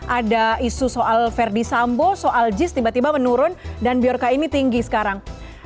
ada isu soal verdi sambo soal jis tiba tiba menurun dan bjorka ini tinggi sekarang